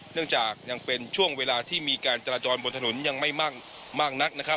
เนื่องจากยังเป็นช่วงเวลาที่มีการจราจรบนถนนยังไม่มากนักนะครับ